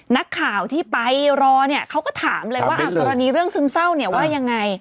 นักข่าวที่ไปรอเขาก็ถามเลยว่าอ่ะกรณีเรื่องซึมเศร้าว่ายังไง